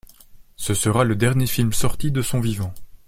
Ce sera le dernier film sorti de son vivant.